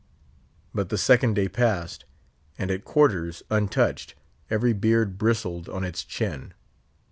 But the second day passed, and at quarters, untouched, every beard bristled on its chin.